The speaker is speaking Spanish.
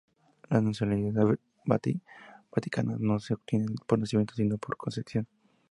La nacionalidad vaticana no se obtiene por nacimiento, sino por concesión.